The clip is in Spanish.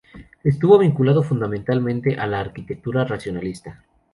Estuvo vinculado fundamentalmente a la arquitectura racionalista.